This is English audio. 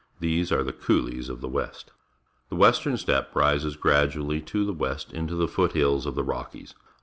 These are the coulees of the West. The western steppe rises gradually to the west into the foot hills of the Rockies.